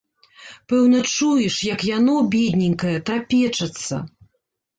Пэўна чуеш, як яно, бедненькае, трапечацца.